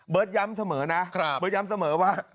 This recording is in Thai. ย้ำเสมอนะเบิร์ตย้ำเสมอว่า